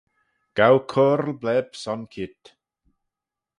Gow coyrl bleb son keayrt